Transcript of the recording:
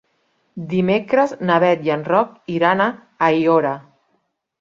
Dimecres na Beth i en Roc iran a Aiora.